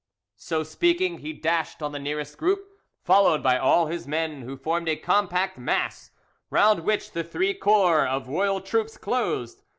So speaking, he dashed on the nearest group, followed by all his men, who formed a compact mass; round which the three corps of royal troops closed.